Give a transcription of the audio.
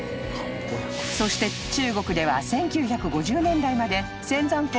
［そして中国では１９５０年代まで］